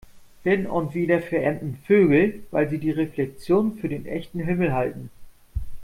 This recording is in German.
Hin und wieder verenden Vögel, weil sie die Reflexion für den echten Himmel halten.